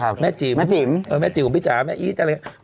อ๋อครับแม่จิ๋มแม่จิ๋มเออแม่จิ๋มของพี่จ๋าแม่อี๊ดอะไรอย่างเงี้ย